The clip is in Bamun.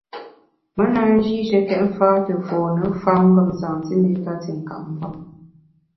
Me na njîshekét mfâ te fône famngem santiméta te nkap mvem.